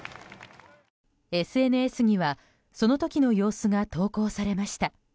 ＳＮＳにはその時の様子が投稿されました。